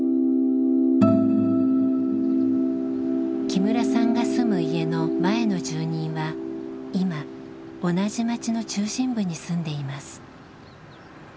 木村さんが住む家の前の住人は今同じ町の中心部に住んでいます。